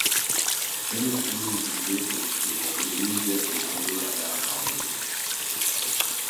Hele onun müziğe çalıştığını öğrenince ortalığı ayağa kaldırdı.